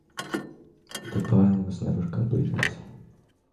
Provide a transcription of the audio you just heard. The poem was never completed.